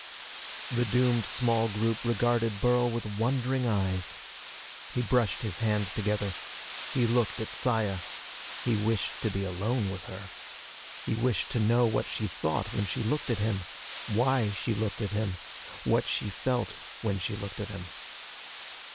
The doomed small group regarded Burl with wondering eyes. He brushed his hands together. He looked at Saya. He wished to be alone with her. He wished to know what she thought when she looked at him. Why she looked at him. What she felt when she looked at him.